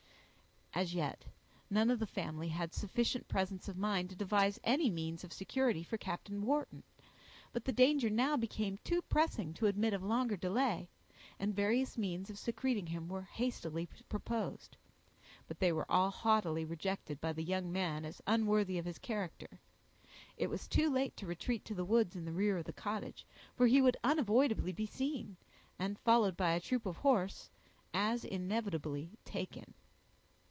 As yet none of the family had sufficient presence of mind to devise any means of security for Captain Wharton; but the danger now became too pressing to admit of longer delay, and various means of secreting him were hastily proposed; but they were all haughtily rejected by the young man, as unworthy of his character. It was too late to retreat to the woods in the rear of the cottage, for he would unavoidably be seen, and, followed by a troop of horse, as inevitably taken.